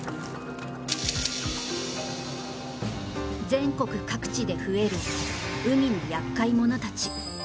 全国各地で増える海の厄介者たち。